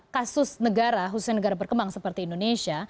kasus negara khususnya negara berkembang seperti indonesia